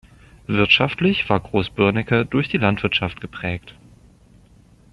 Wirtschaftlich war Groß Börnecke durch die Landwirtschaft geprägt.